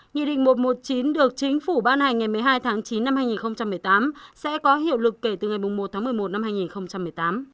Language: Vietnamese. nghị định một trăm một mươi chín được chính phủ ban hành ngày một mươi hai tháng chín năm hai nghìn một mươi tám sẽ có hiệu lực kể từ ngày một tháng một mươi một năm hai nghìn một mươi tám